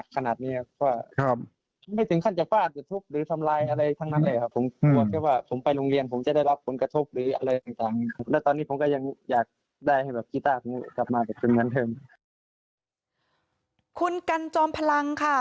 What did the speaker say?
คุณกันจอมพลังค่ะ